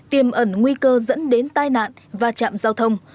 tiềm ẩn nguy cơ dẫn đến tai nạn và chạm giao thông